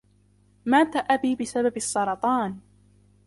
مات أبي بسبب السرطان.